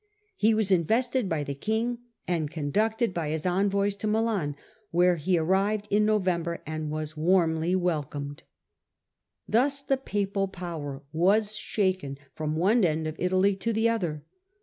He was invested by the king, and conducted by his envoys to Milan, where he arrived in November, and was warmly welcomed. Thus the papal power was shaken from one end of Italy to the other.